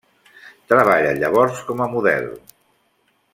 Treballa llavors com a model.